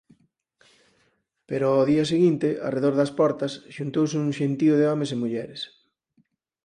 Pero ó día seguinte, arredor das portas, xuntouse un xentío de homes e mulleres.